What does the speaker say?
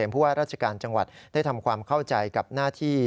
ผู้ว่าราชการจังหวัดได้ทำความเข้าใจกับหน้าที่